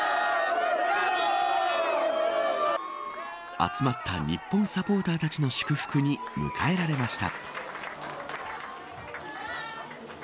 集まった日本サポーターたちの祝福に迎えられました。